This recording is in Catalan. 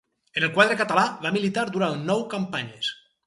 En el quadre català va militar durant nou campanyes.